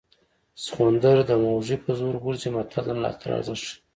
سخوندر د موږي په زور غورځي متل د ملاتړ ارزښت ښيي